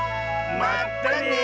まったね！